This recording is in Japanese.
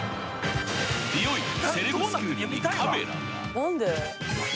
［いよいよ］